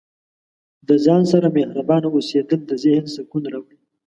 د ځان سره مهربانه اوسیدل د ذهن سکون راوړي.